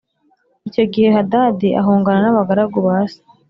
Icyo gihe Hadadi ahungana n’abagaragu ba se